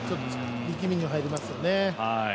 力みも入りますよね。